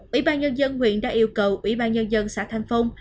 ủy ban nhân dân huyện đã yêu cầu ủy ban nhân dân xã thanh phong